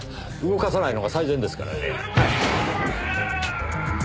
動かさないのが最善ですからね。